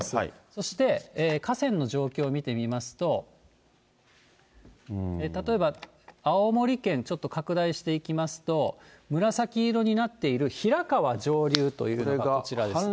そして河川の状況見てみますと、例えば青森県、ちょっと拡大していきますと、紫色になっている平川上流というのがこちらです。